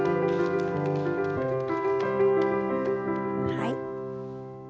はい。